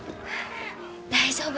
大丈夫。